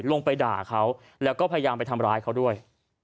ลงไปด่าเขาแล้วก็พยายามไปทำร้ายเขาด้วย